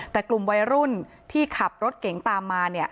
แต่กลุ่มวัยรุ่นที่ขับรถเก๋งตามมา